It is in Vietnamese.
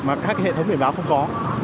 mà các hệ thống biển báo không có